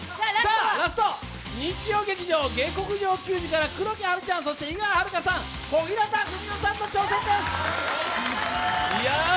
ラストは日曜劇場「下剋上球児」から黒木華ちゃん、井川遥さん、小日向文世さんの挑戦です。